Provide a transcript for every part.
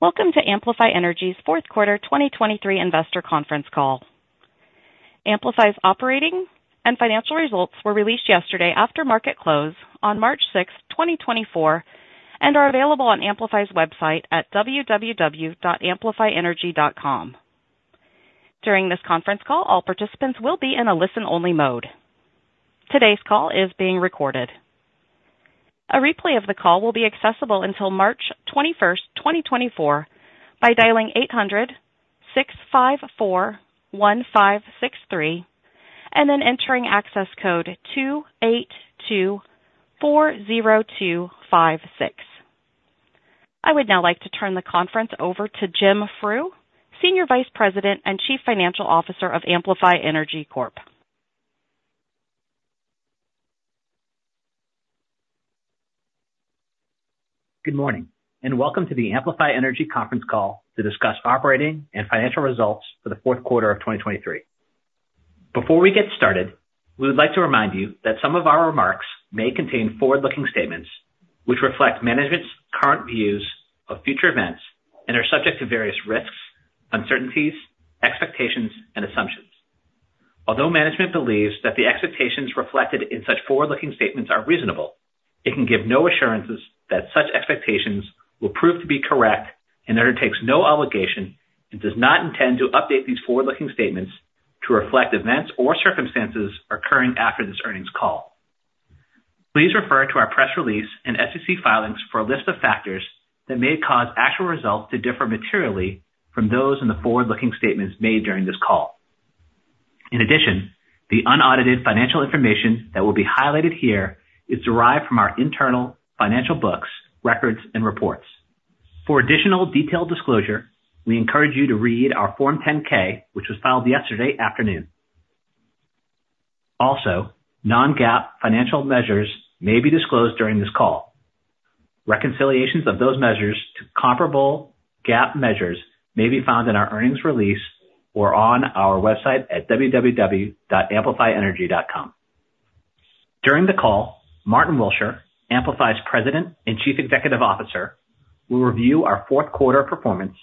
Welcome to Amplify Energy's fourth quarter 2023 investor conference call. Amplify's operating and financial results were released yesterday after market close on March 6, 2024, and are available on Amplify's website at www.amplifyenergy.com. During this conference call, all participants will be in a listen-only mode. Today's call is being recorded. A replay of the call will be accessible until March 21, 2024, by dialing 800-654-1563 and then entering access code 28240256. I would now like to turn the conference over to Jim Frew, Senior Vice President and Chief Financial Officer of Amplify Energy Corp. Good morning and welcome to the Amplify Energy conference call to discuss operating and financial results for the fourth quarter of 2023. Before we get started, we would like to remind you that some of our remarks may contain forward-looking statements which reflect management's current views of future events and are subject to various risks, uncertainties, expectations, and assumptions. Although management believes that the expectations reflected in such forward-looking statements are reasonable, it can give no assurances that such expectations will prove to be correct and undertakes no obligation and does not intend to update these forward-looking statements to reflect events or circumstances occurring after this earnings call. Please refer to our press release and SEC filings for a list of factors that may cause actual results to differ materially from those in the forward-looking statements made during this call. In addition, the unaudited financial information that will be highlighted here is derived from our internal financial books, records, and reports. For additional detailed disclosure, we encourage you to read our Form 10-K, which was filed yesterday afternoon. Also, non-GAAP financial measures may be disclosed during this call. Reconciliations of those measures to comparable GAAP measures may be found in our earnings release or on our website at www.amplifyenergy.com. During the call, Martyn Willsher, Amplify's President and Chief Executive Officer, will review our fourth quarter performance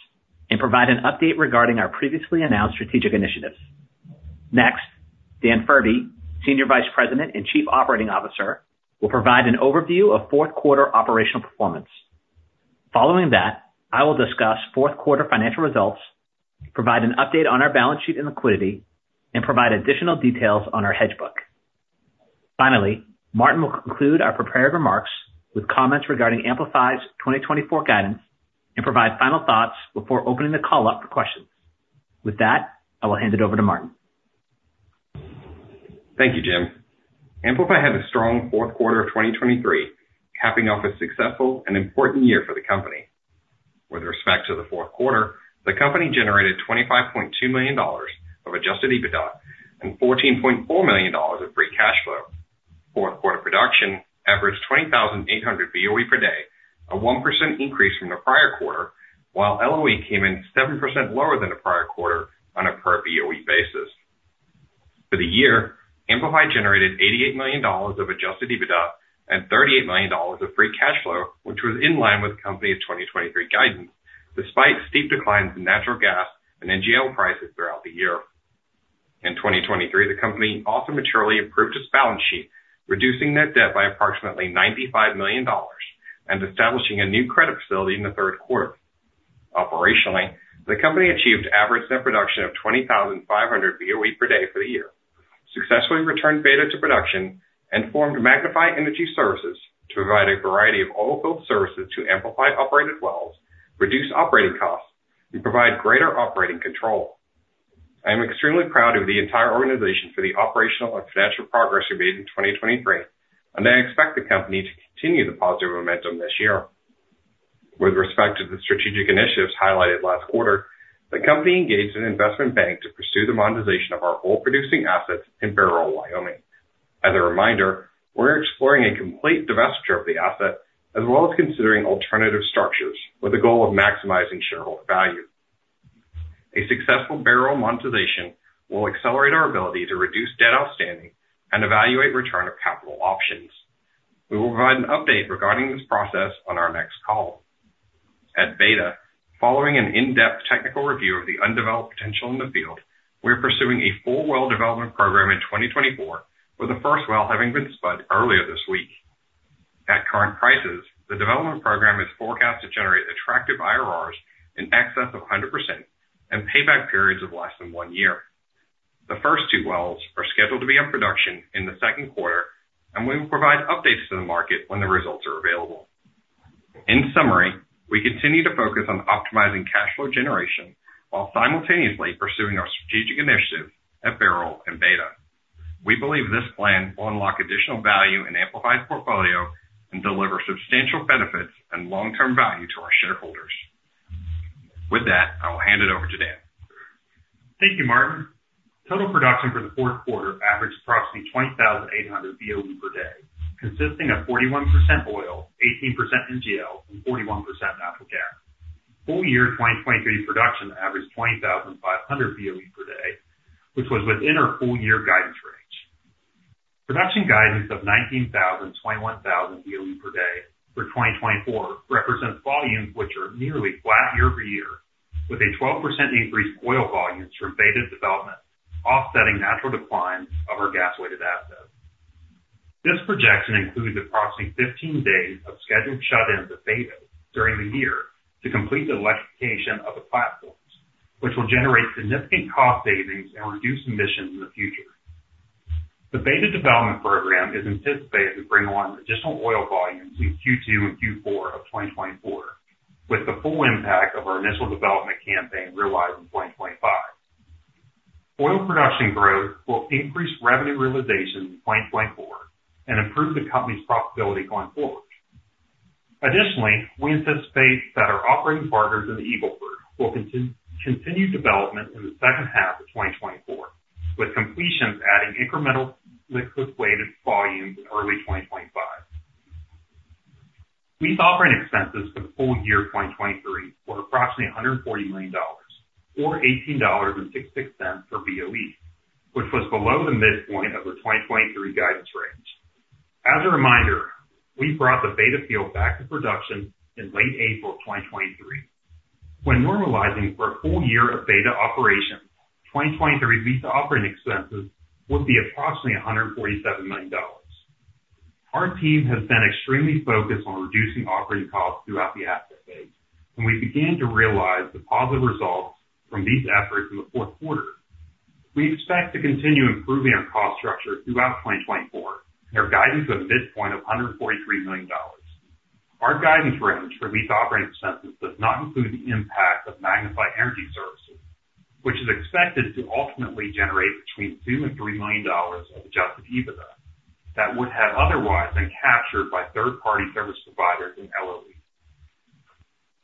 and provide an update regarding our previously announced strategic initiatives. Next, Dan Furbee, Senior Vice President and Chief Operating Officer, will provide an overview of fourth quarter operational performance. Following that, I will discuss fourth quarter financial results, provide an update on our balance sheet and liquidity, and provide additional details on our hedge book. Finally, Martyn will conclude our prepared remarks with comments regarding Amplify's 2024 guidance and provide final thoughts before opening the call up for questions. With that, I will hand it over to Martyn. Thank you, Jim. Amplify had a strong fourth quarter of 2023, capping off a successful and important year for the company. With respect to the fourth quarter, the company generated $25.2 million of Adjusted EBITDA and $14.4 million of Free Cash Flow. Fourth quarter production averaged 20,800 BOE per day, a 1% increase from the prior quarter, while LOE came in 7% lower than the prior quarter on a per BOE basis. For the year, Amplify generated $88 million of Adjusted EBITDA and $38 million of Free Cash Flow, which was in line with the company's 2023 guidance despite steep declines in natural gas and NGL prices throughout the year. In 2023, the company also materially improved its balance sheet, reducing net debt by approximately $95 million and establishing a new credit facility in the third quarter. Operationally, the company achieved average net production of 20,500 BOE per day for the year, successfully returned Beta to production, and formed Magnify Energy Services to provide a variety of oilfield services to Amplify-operated wells, reduce operating costs, and provide greater operating control. I am extremely proud of the entire organization for the operational and financial progress we made in 2023, and I expect the company to continue the positive momentum this year. With respect to the strategic initiatives highlighted last quarter, the company engaged an investment bank to pursue the monetization of our oil-producing assets in Bairoil, Wyoming. As a reminder, we're exploring a complete divestiture of the asset as well as considering alternative structures with the goal of maximizing shareholder value. A successful Bairoil monetization will accelerate our ability to reduce debt outstanding and evaluate return of capital options. We will provide an update regarding this process on our next call. At Beta, following an in-depth technical review of the undeveloped potential in the field, we're pursuing a full well development program in 2024, with the first well having been spud earlier this week. At current prices, the development program is forecast to generate attractive IRRs in excess of 100% and payback periods of less than one year. The first two wells are scheduled to be in production in the second quarter, and we will provide updates to the market when the results are available. In summary, we continue to focus on optimizing cash flow generation while simultaneously pursuing our strategic initiatives at Bairoil and Beta. We believe this plan will unlock additional value in Amplify's portfolio and deliver substantial benefits and long-term value to our shareholders. With that, I will hand it over to Dan. Thank you, Martyn. Total production for the fourth quarter averaged approximately 20,800 BOE per day, consisting of 41% oil, 18% NGL, and 41% natural gas. Full year 2023 production averaged 20,500 BOE per day, which was within our full year guidance range. Production guidance of 19,000-21,000 BOE per day for 2024 represents volumes which are nearly flat year-over-year, with a 12% increase in oil volumes from Beta development offsetting natural decline of our gas-weighted assets. This projection includes approximately 15 days of scheduled shut-ins of Beta during the year to complete the electrification of the platforms, which will generate significant cost savings and reduce emissions in the future. The Beta development program is anticipated to bring along additional oil volumes in Q2 and Q4 of 2024, with the full impact of our initial development campaign realized in 2025. Oil production growth will increase revenue realization in 2024 and improve the company's profitability going forward. Additionally, we anticipate that our operating partners in the Eagle Ford will continue development in the second half of 2024, with completions adding incremental liquid-weighted volumes in early 2025. Lease operating expenses for the full year 2023 were approximately $140 million or $18.66 per BOE, which was below the midpoint of the 2023 guidance range. As a reminder, we brought the Beta field back to production in late April of 2023. When normalizing for a full year of Beta operations, 2023 lease operating expenses would be approximately $147 million. Our team has been extremely focused on reducing operating costs throughout the asset base, and we began to realize the positive results from these efforts in the fourth quarter. We expect to continue improving our cost structure throughout 2024 and our guidance at a midpoint of $143 million. Our guidance range for lease operating expenses does not include the impact of Magnify Energy Services, which is expected to ultimately generate between $2 million and $3 million of Adjusted EBITDA that would have otherwise been captured by third-party service providers and LOEs.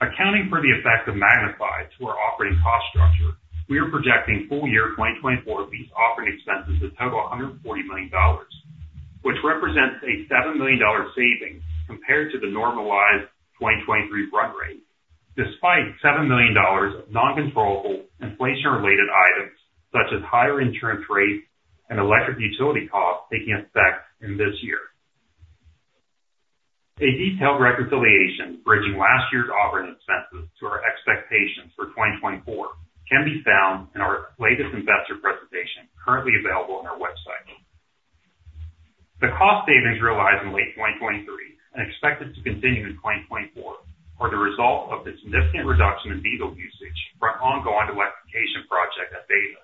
Accounting for the effect of Magnify to our operating cost structure, we are projecting full year 2024 lease operating expenses to total $140 million, which represents a $7 million savings compared to the normalized 2023 run rate despite $7 million of non-controllable inflation-related items such as higher insurance rates and electric utility costs taking effect in this year. A detailed reconciliation bridging last year's operating expenses to our expectations for 2024 can be found in our latest investor presentation currently available on our website. The cost savings realized in late 2023 and expected to continue in 2024 are the result of the significant reduction in diesel usage from ongoing electrification projects at Beta,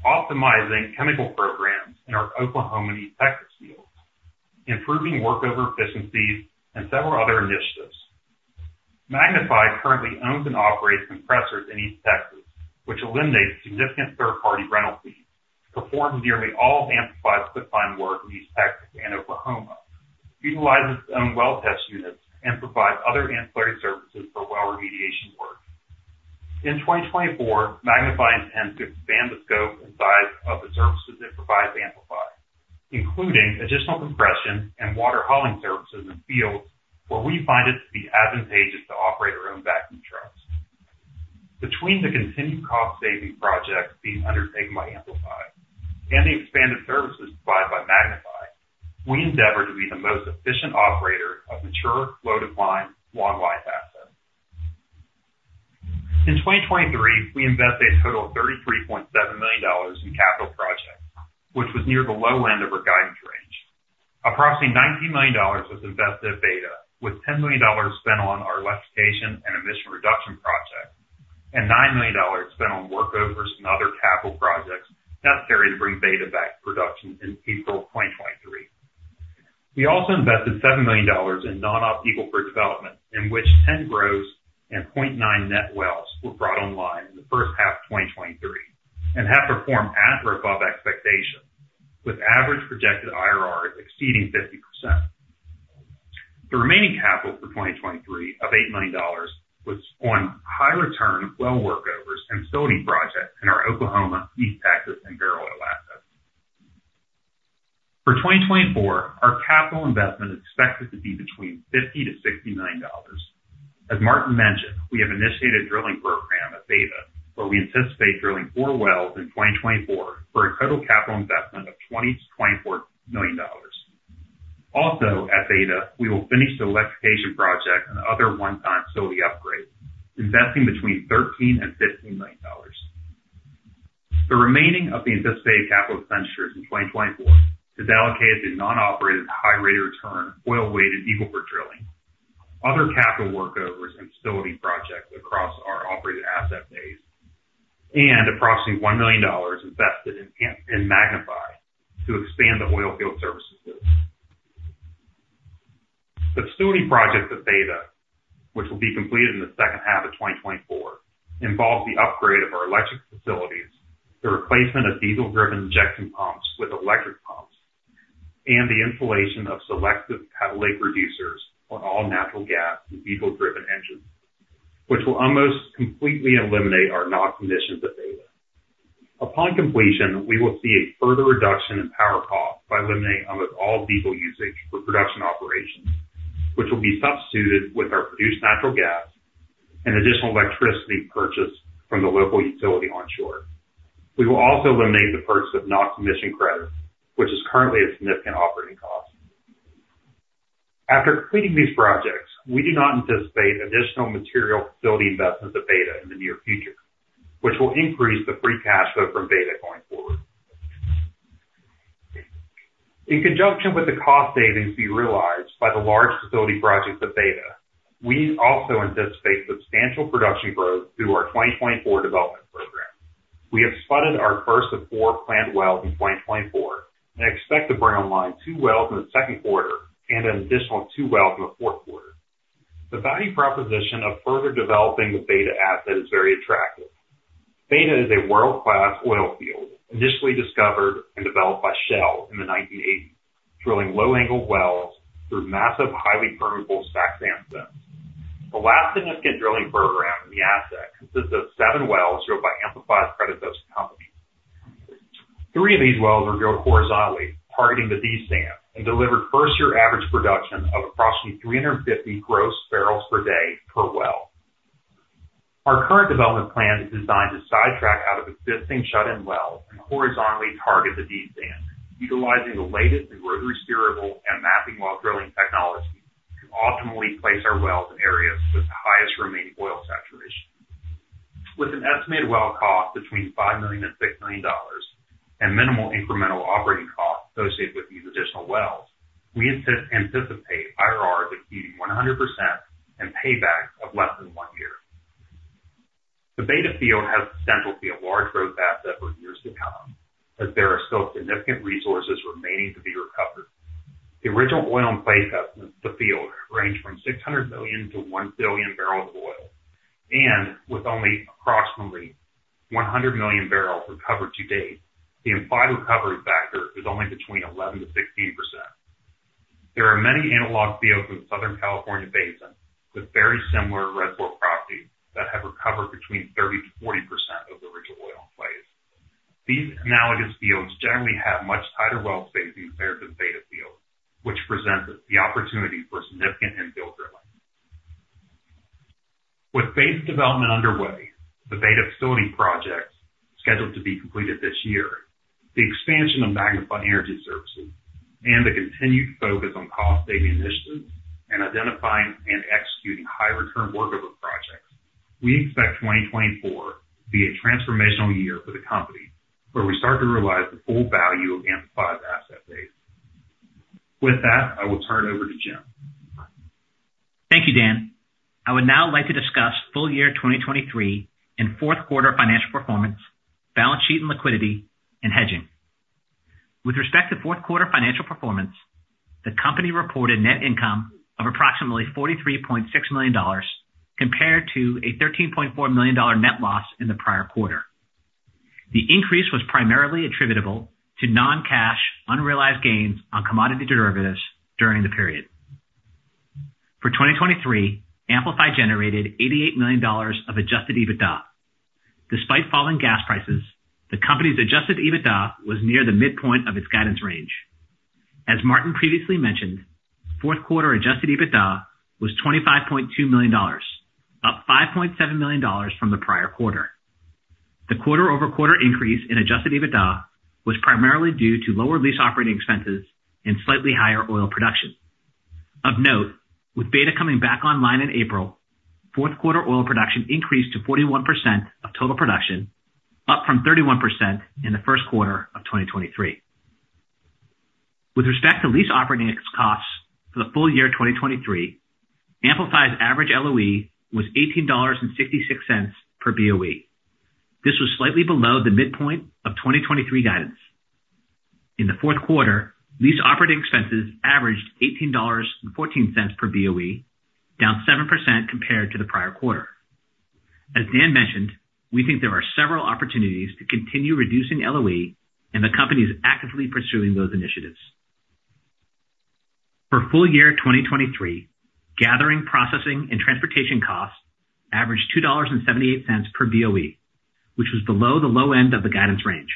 optimizing chemical programs in our Oklahoma and East Texas fields, improving workover efficiencies, and several other initiatives. Magnify currently owns and operates compressors in East Texas, which eliminates significant third-party rental fees, performs nearly all of Amplify's pipeline work in East Texas and Oklahoma, utilizes its own well test units, and provides other ancillary services for well remediation work. In 2024, Magnify intends to expand the scope and size of the services it provides to Amplify, including additional compression and water hauling services in fields where we find it to be advantageous to operate our own vacuum trucks. Between the continued cost-saving projects being undertaken by Amplify and the expanded services provided by Magnify, we endeavor to be the most efficient operator of mature low-decline long-life assets. In 2023, we invested a total of $33.7 million in capital projects, which was near the low end of our guidance range. Approximately $19 million was invested at Beta, with $10 million spent on our electrification and emission reduction projects and $9 million spent on workovers and other capital projects necessary to bring Beta back to production in April 2023. We also invested $7 million in non-op Eagle Ford development, in which 10 gross and 0.9 net wells were brought online in the first half of 2023 and have performed at or above expectations, with average projected IRRs exceeding 50%. The remaining capital for 2023 of $8 million was on high-return well workovers and facility projects in our Oklahoma, East Texas, and Bairoil assets. For 2024, our capital investment is expected to be between $50-$60 million. As Martyn mentioned, we have initiated a drilling program at Beta, where we anticipate drilling four wells in 2024 for a total capital investment of $20-$24 million. Also, at Beta, we will finish the electrification project and other one-time facility upgrades, investing between $13-$15 million. The remaining of the anticipated capital expenditures in 2024 is allocated to non-operated high rate of return oil-weighted Eagle Ford drilling, other capital workovers and facility projects across our operated asset base, and approximately $1 million invested in Magnify to expand the oil field services scope. The facility projects at Beta, which will be completed in the second half of 2024, involve the upgrade of our electric facilities, the replacement of diesel-driven injection pumps with electric pumps, and the installation of selective catalytic reducers on all natural gas and diesel-driven engines, which will almost completely eliminate our NOx emissions at Beta. Upon completion, we will see a further reduction in power costs by eliminating almost all diesel usage for production operations, which will be substituted with our produced natural gas and additional electricity purchased from the local utility onshore. We will also eliminate the purchase of NOx emission credit, which is currently a significant operating cost. After completing these projects, we do not anticipate additional material facility investments at Beta in the near future, which will increase the Free Cash Flow from Beta going forward. In conjunction with the cost savings being realized by the large facility projects at Beta, we also anticipate substantial production growth through our 2024 development program. We have spud our first of four planned wells in 2024 and expect to bring online two wells in the second quarter and an additional two wells in the fourth quarter. The value proposition of further developing the Beta asset is very attractive. Beta is a world-class oil field initially discovered and developed by Shell in the 1980s, drilling low-angle wells through massive highly permeable stacked sandstone. The last significant drilling program in the asset consists of seven wells drilled by Amplify's predecessor company. Three of these wells were drilled horizontally, targeting the D-Sand, and delivered first-year average production of approximately 350 gross barrels per day per well. Our current development plan is designed to sidetrack out of existing shut-in wells and horizontally target the D-Sand, utilizing the latest rotary steerable and mapping well drilling technology to optimally place our wells in areas with the highest remaining oil saturation. With an estimated well cost between $5 million-$6 million and minimal incremental operating costs associated with these additional wells, we anticipate IRRs exceeding 100% and payback of less than one year. The Beta field has the potential to be a large growth asset for years to come as there are still significant resources remaining to be recovered. The original oil-in-place estimates for the field range from 600 million-1 billion barrels of oil, and with only approximately 100 million barrels recovered to date, the implied recovery factor is only between 11%-16%. There are many analog fields in the Southern California Basin with very similar reservoir properties that have recovered between 30%-40% of the original oil-in-place. These analogous fields generally have much tighter well spacing compared to the Beta field, which presents the opportunity for significant infield drilling. With base development underway, the Beta facility projects scheduled to be completed this year, the expansion of Magnify Energy Services, and the continued focus on cost-saving initiatives in identifying and executing high-return workover projects, we expect 2024 to be a transformational year for the company where we start to realize the full value of Amplify's asset base. With that, I will turn it over to Jim. Thank you, Dan. I would now like to discuss full year 2023 and fourth quarter financial performance, balance sheet and liquidity, and hedging. With respect to fourth quarter financial performance, the company reported net income of approximately $43.6 million compared to a $13.4 million net loss in the prior quarter. The increase was primarily attributable to non-cash unrealized gains on commodity derivatives during the period. For 2023, Amplify generated $88 million of Adjusted EBITDA. Despite falling gas prices, the company's Adjusted EBITDA was near the midpoint of its guidance range. As Martyn previously mentioned, fourth quarter Adjusted EBITDA was $25.2 million, up $5.7 million from the prior quarter. The quarter-over-quarter increase in Adjusted EBITDA was primarily due to lower lease operating expenses and slightly higher oil production. Of note, with Beta coming back online in April, fourth quarter oil production increased to 41% of total production, up from 31% in the first quarter of 2023. With respect to lease operating costs for the full year 2023, Amplify's average LOE was $18.66 per BOE. This was slightly below the midpoint of 2023 guidance. In the fourth quarter, lease operating expenses averaged $18.14 per BOE, down 7% compared to the prior quarter. As Dan mentioned, we think there are several opportunities to continue reducing LOE, and the company is actively pursuing those initiatives. For full year 2023, gathering, processing, and transportation costs averaged $2.78 per BOE, which was below the low end of the guidance range.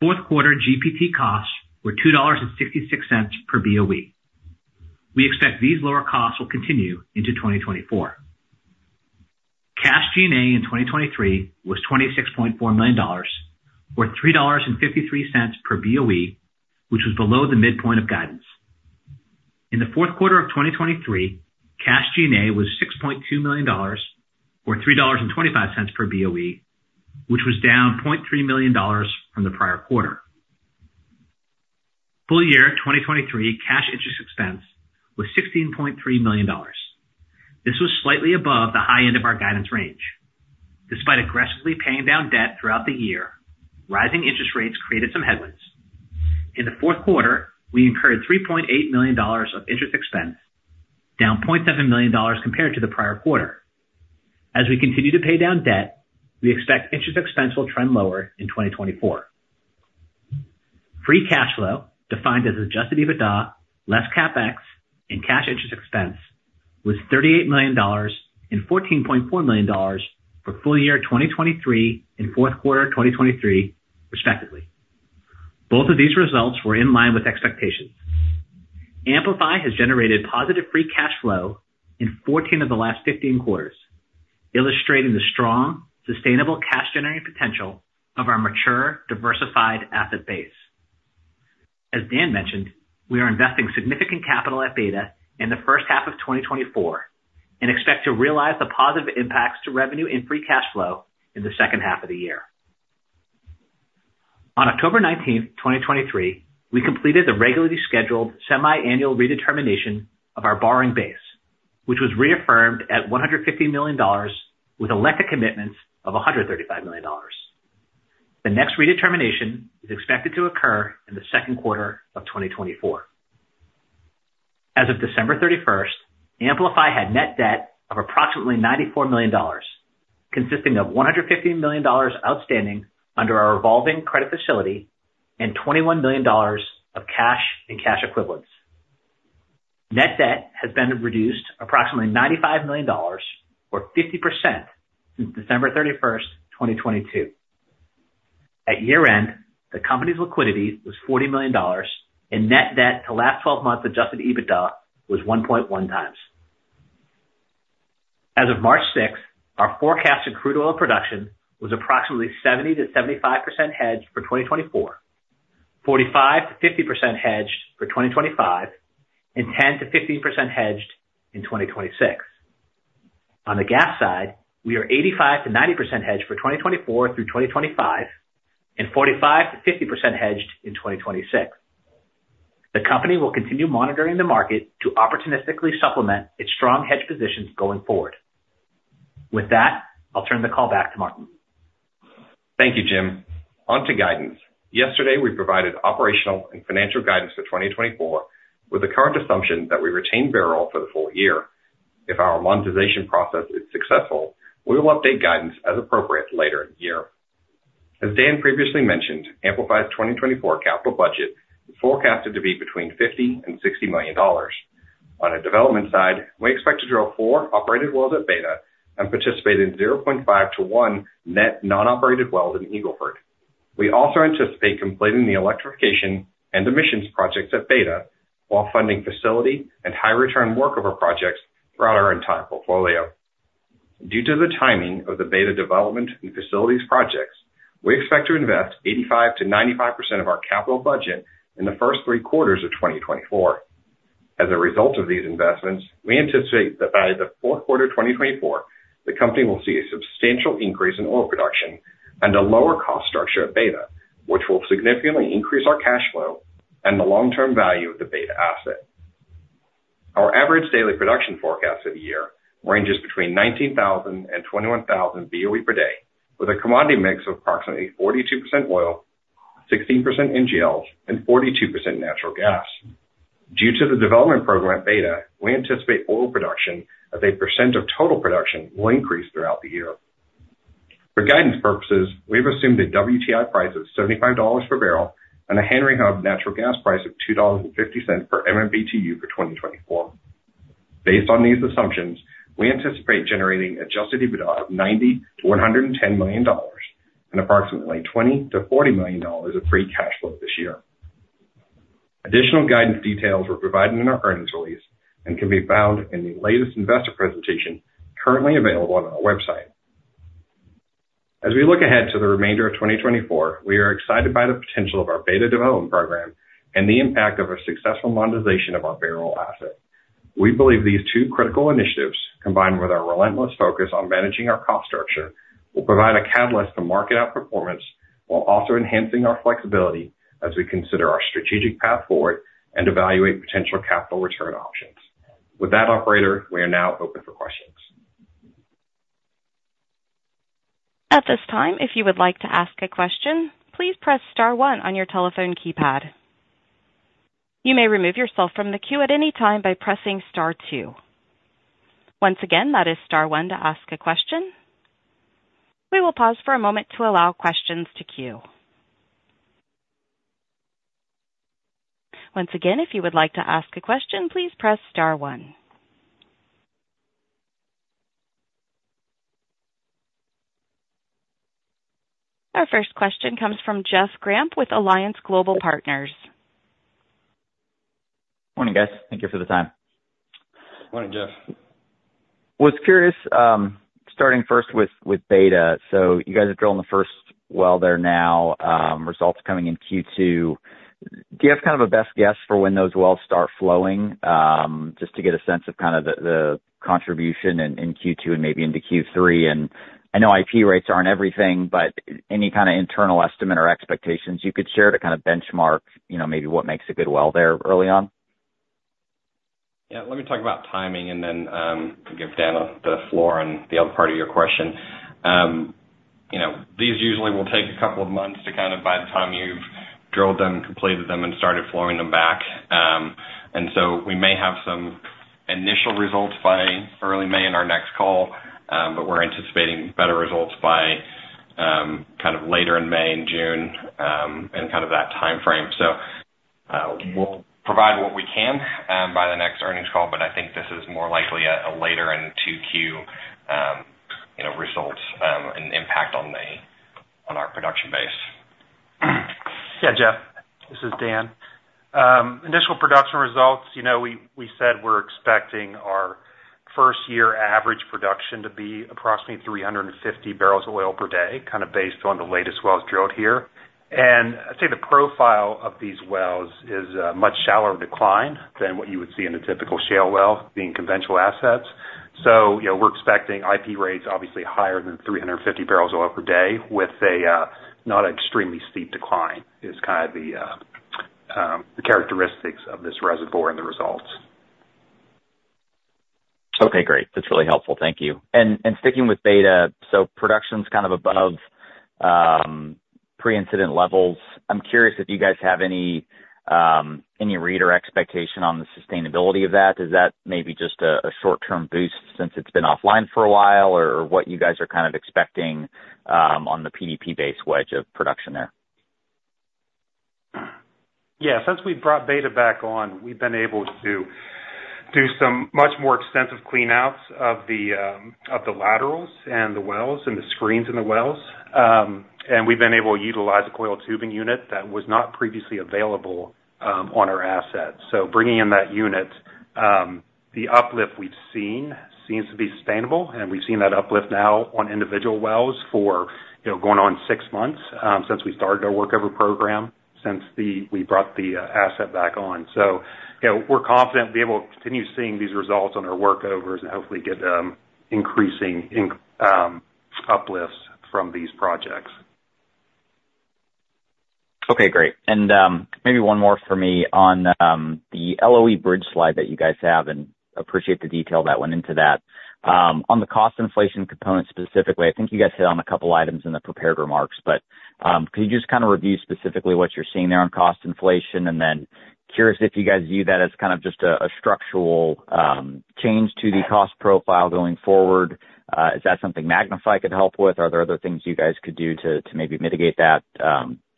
Fourth quarter GPT costs were $2.66 per BOE. We expect these lower costs will continue into 2024. Cash G&A in 2023 was $26.4 million, or $3.53 per BOE, which was below the midpoint of guidance. In the fourth quarter of 2023, cash G&A was $6.2 million, or $3.25 per BOE, which was down $0.3 million from the prior quarter. Full year 2023 cash interest expense was $16.3 million. This was slightly above the high end of our guidance range. Despite aggressively paying down debt throughout the year, rising interest rates created some headwinds. In the fourth quarter, we incurred $3.8 million of interest expense, down $0.7 million compared to the prior quarter. As we continue to pay down debt, we expect interest expense will trend lower in 2024. Free Cash Flow, defined as Adjusted EBITDA, less CapEx, and cash interest expense, was $38 million and $14.4 million for full year 2023 and fourth quarter 2023, respectively. Both of these results were in line with expectations. Amplify has generated positive free cash flow in 14 of the last 15 quarters, illustrating the strong, sustainable cash-generating potential of our mature, diversified asset base. As Dan mentioned, we are investing significant capital at Beta in the first half of 2024 and expect to realize the positive impacts to revenue and free cash flow in the second half of the year. On October 19, 2023, we completed the regularly scheduled semi-annual redetermination of our borrowing base, which was reaffirmed at $150 million with elected commitments of $135 million. The next redetermination is expected to occur in the second quarter of 2024. As of December 31, Amplify had net debt of approximately $94 million, consisting of $150 million outstanding under our revolving credit facility and $21 million of cash and cash equivalents. Net debt has been reduced approximately $95 million, or 50%, since December 31, 2022. At year-end, the company's liquidity was $40 million, and net debt to last 12 months Adjusted EBITDA was 1.1 times. As of March 6, our forecasted crude oil production was approximately 70%-75% hedged for 2024, 45%-50% hedged for 2025, and 10%-15% hedged in 2026. On the gas side, we are 85%-90% hedged for 2024 through 2025 and 45%-50% hedged in 2026. The company will continue monitoring the market to opportunistically supplement its strong hedge positions going forward. With that, I'll turn the call back to Martyn. Thank you, Jim. Onto guidance. Yesterday, we provided operational and financial guidance for 2024 with the current assumption that we retain Bairoil for the full year. If our monetization process is successful, we will update guidance as appropriate later in the year. As Dan previously mentioned, Amplify's 2024 capital budget is forecasted to be between $50 and $60 million. On the development side, we expect to drill four operated wells at Beta and participate in 0.5-1 net non-operated wells in Eagle Ford. We also anticipate completing the electrification and emissions projects at Beta while funding facility and high-return workover projects throughout our entire portfolio. Due to the timing of the Beta development and facilities projects, we expect to invest 85%-95% of our capital budget in the first three quarters of 2024. As a result of these investments, we anticipate that by the fourth quarter of 2024, the company will see a substantial increase in oil production and a lower cost structure at Beta, which will significantly increase our cash flow and the long-term value of the Beta asset. Our average daily production forecast for the year ranges between 19,000 and 21,000 BOE per day, with a commodity mix of approximately 42% oil, 16% NGLs, and 42% natural gas. Due to the development program at Beta, we anticipate oil production as a percent of total production will increase throughout the year. For guidance purposes, we have assumed a WTI price of $75 per barrel and a Henry Hub natural gas price of $2.50 per MMBTU for 2024. Based on these assumptions, we anticipate generating Adjusted EBITDA of $90-$110 million and approximately $20-$40 million of free cash flow this year. Additional guidance details were provided in our earnings release and can be found in the latest investor presentation currently available on our website. As we look ahead to the remainder of 2024, we are excited by the potential of our Beta development program and the impact of a successful monetization of our Bairoil asset. We believe these two critical initiatives, combined with our relentless focus on managing our cost structure, will provide a catalyst to market outperformance while also enhancing our flexibility as we consider our strategic path forward and evaluate potential capital return options. With that, operator, we are now open for questions. At this time, if you would like to ask a question, please press star 1 on your telephone keypad. You may remove yourself from the queue at any time by pressing star 2. Once again, that is star 1 to ask a question. We will pause for a moment to allow questions to queue. Once again, if you would like to ask a question, please press star 1. Our first question comes from Jeff Gramp with Alliance Global Partners. Morning, guys. Thank you for the time. Morning, Jeff. Well, I was curious, starting first with Beta. So you guys are drilling the first well there now, results coming in Q2. Do you have kind of a best guess for when those wells start flowing, just to get a sense of kind of the contribution in Q2 and maybe into Q3? And I know IP rates aren't everything, but any kind of internal estimate or expectations you could share to kind of benchmark maybe what makes a good well there early on? Yeah. Let me talk about timing and then give Dan the floor on the other part of your question. These usually will take a couple of months to kind of by the time you've drilled them, completed them, and started flowing them back. And so we may have some initial results by early May in our next call, but we're anticipating better results by kind of later in May and June and kind of that timeframe. So we'll provide what we can by the next earnings call, but I think this is more likely a later in-Q2 result and impact on our production base. Yeah, Jeff. This is Dan. Initial production results, we said we're expecting our first-year average production to be approximately 350 barrels of oil per day, kind of based on the latest wells drilled here. And I'd say the profile of these wells is a much shallower decline than what you would see in a typical shale well being conventional assets. So we're expecting IP rates, obviously, higher than 350 barrels of oil per day with not an extremely steep decline. It's kind of the characteristics of this reservoir and the results. Okay. Great. That's really helpful. Thank you. And sticking with Beta, so production's kind of above pre-incident levels. I'm curious if you guys have any read or expectation on the sustainability of that. Is that maybe just a short-term boost since it's been offline for a while or what you guys are kind of expecting on the PDP-based wedge of production there? Yeah. Since we brought Beta back on, we've been able to do some much more extensive clean-outs of the laterals and the wells and the screens in the wells. And we've been able to utilize a Coiled Tubing unit that was not previously available on our asset. So bringing in that unit, the uplift we've seen seems to be sustainable, and we've seen that uplift now on individual wells for going on six months since we started our Workover program, since we brought the asset back on. So we're confident we'll be able to continue seeing these results on our Workovers and hopefully get increasing uplifts from these projects. Okay. Great. And maybe one more for me on the LOE bridge slide that you guys have, and appreciate the detail that went into that. On the cost inflation component specifically, I think you guys hit on a couple of items in the prepared remarks. But could you just kind of review specifically what you're seeing there on cost inflation? And then curious if you guys view that as kind of just a structural change to the cost profile going forward. Is that something Magnify could help with? Are there other things you guys could do to maybe mitigate that?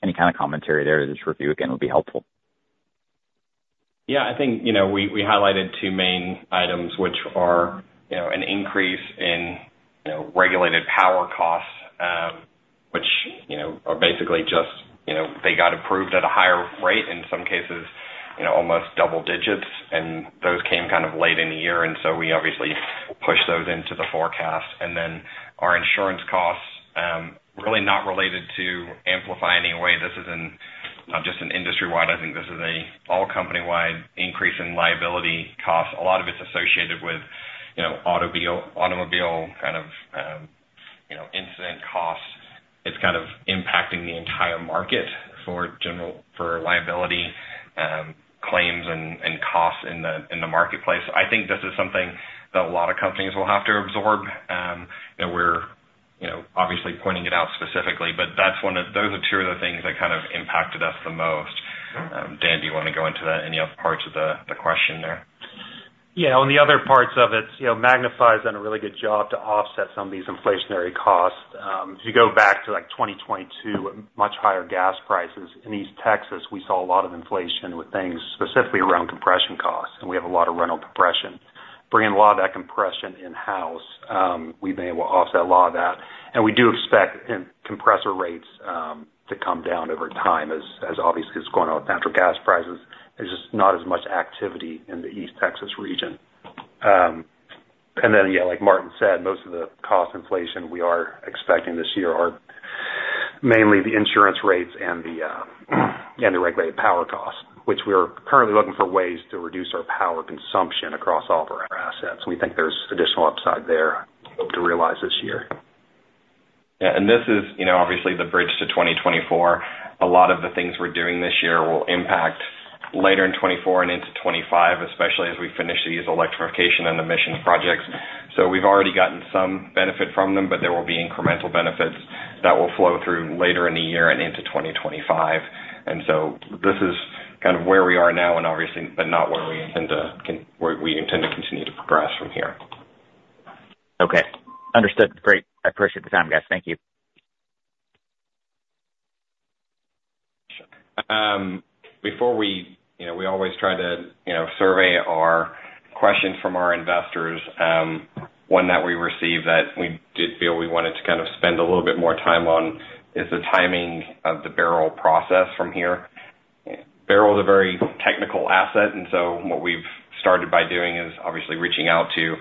Any kind of commentary there to this review, again, would be helpful. Yeah. I think we highlighted two main items, which are an increase in regulated power costs, which are basically just they got approved at a higher rate, in some cases, almost double digits. And those came kind of late in the year, and so we obviously pushed those into the forecast. And then our insurance costs, really not related to Amplify in any way. This is not just an industry-wide. I think this is an all-company-wide increase in liability costs. A lot of it's associated with automobile kind of incident costs. It's kind of impacting the entire market for liability claims and costs in the marketplace. I think this is something that a lot of companies will have to absorb. We're obviously pointing it out specifically, but those are two of the things that kind of impacted us the most. Dan, do you want to go into that? Any other parts of the question there? Yeah. On the other parts of it, Magnify has done a really good job to offset some of these inflationary costs. If you go back to 2022, much higher gas prices. In East Texas, we saw a lot of inflation with things specifically around compression costs, and we have a lot of rental compression. Bringing a lot of that compression in-house, we've been able to offset a lot of that. And we do expect compressor rates to come down over time as, obviously, it's going on with natural gas prices. There's just not as much activity in the East Texas region. And then, yeah, like Martyn said, most of the cost inflation we are expecting this year are mainly the insurance rates and the regulated power costs, which we are currently looking for ways to reduce our power consumption across all of our assets. We think there's additional upside there to realize this year. Yeah. And this is obviously the bridge to 2024. A lot of the things we're doing this year will impact later in 2024 and into 2025, especially as we finish these electrification and emissions projects. So we've already gotten some benefit from them, but there will be incremental benefits that will flow through later in the year and into 2025. And so this is kind of where we are now, but not where we intend to continue to progress from here. Okay. Understood. Great. I appreciate the time, guys. Thank you. Before we always try to survey our questions from our investors. One that we received that we did feel we wanted to kind of spend a little bit more time on is the timing of the Bairoil process from here. Bairoil is a very technical asset, and so what we've started by doing is obviously reaching out to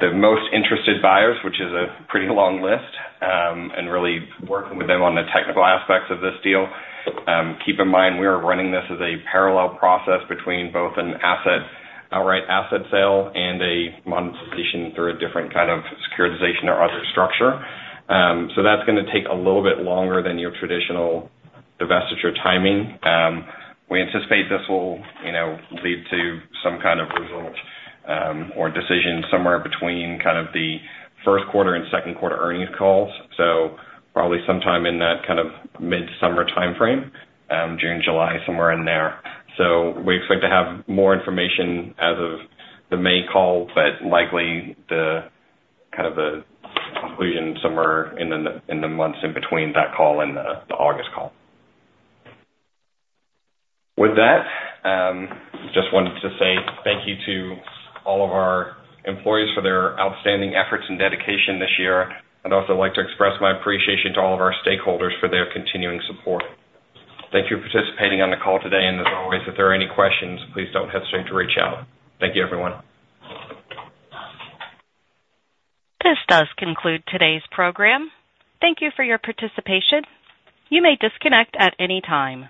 the most interested buyers, which is a pretty long list, and really working with them on the technical aspects of this deal. Keep in mind, we are running this as a parallel process between both an outright asset sale and a monetization through a different kind of securitization or other structure. So that's going to take a little bit longer than your traditional divestiture timing. We anticipate this will lead to some kind of result or decision somewhere between kind of the first quarter and second quarter earnings calls, so probably sometime in that kind of mid-summer timeframe, June, July, somewhere in there. We expect to have more information as of the May call, but likely kind of the conclusion somewhere in the months in between that call and the August call. With that, just wanted to say thank you to all of our employees for their outstanding efforts and dedication this year. I'd also like to express my appreciation to all of our stakeholders for their continuing support. Thank you for participating on the call today. As always, if there are any questions, please don't hesitate to reach out. Thank you, everyone. This does conclude today's program. Thank you for your participation. You may disconnect at any time.